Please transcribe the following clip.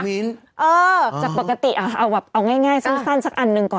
เออจากปกติเอาแบบเอาง่ายสั้นสักอันหนึ่งก่อน